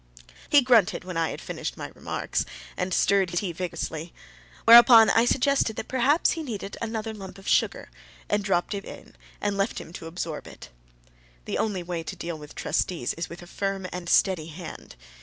He grunted when I had finished my remarks, and stirred his tea vigorously. Whereupon I suggested that perhaps he needed another lump of sugar, and dropped it in, and left him to absorb it. The only way to deal with trustees is with a firm and steady hand.